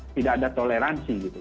tidak ada toleransi gitu